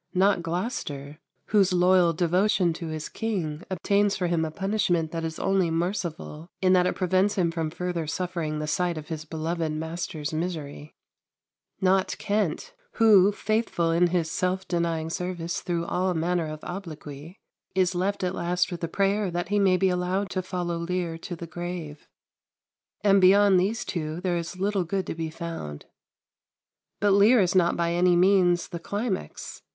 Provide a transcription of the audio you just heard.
Not Gloucester, whose loyal devotion to his king obtains for him a punishment that is only merciful in that it prevents him from further suffering the sight of his beloved master's misery; not Kent, who, faithful in his self denying service through all manner of obloquy, is left at last with a prayer that he may be allowed to follow Lear to the grave; and beyond these two there is little good to be found. But "Lear" is not by any means the climax.